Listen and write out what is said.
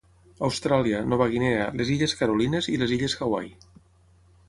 Austràlia, Nova Guinea, les illes Carolines i les illes Hawaii.